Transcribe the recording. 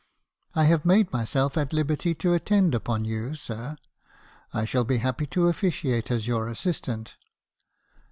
I have made myself at liberty to attend upon you, sir; I shall be happy to officiate as your assistant.